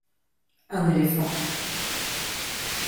Un éléphant.